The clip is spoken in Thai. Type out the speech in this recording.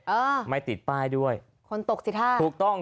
เออไม่ติดป้ายด้วยคนตกสิท่าถูกต้อง